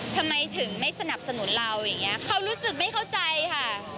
ทำไมถึงไม่สนับสนุนเราอย่างเงี้ยเขารู้สึกไม่เข้าใจค่ะ